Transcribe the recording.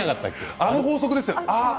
「あ」の法則ですよ。